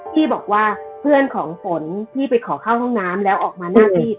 ที่บอกว่าเพื่อนของฝนที่ไปขอเข้าห้องน้ำแล้วออกมาหน้าที่